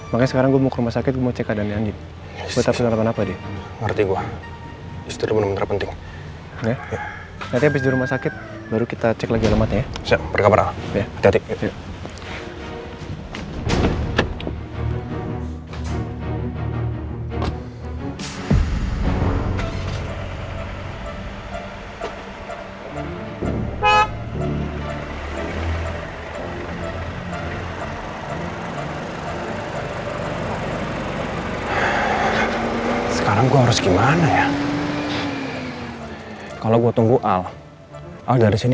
makanya sekarang gue mau ke rumah sakit gue mau cek keadaannya andien